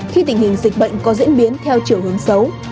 khi tình hình dịch bệnh có diễn biến theo chiều hướng xấu